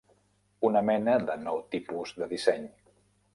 Una mena de nou tipus de disseny.